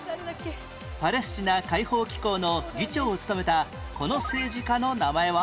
パレスチナ解放機構の議長を務めたこの政治家の名前は？